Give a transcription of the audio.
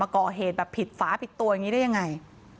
ก่อเหตุแบบผิดฝาผิดตัวอย่างนี้ได้ยังไง